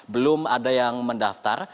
belum ada yang mendaftar